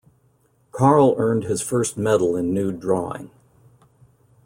Carl earned his first medal in nude drawing.